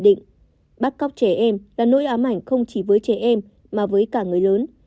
định bắt cóc trẻ em là nỗi ám ảnh không chỉ với trẻ em mà với cả người lớn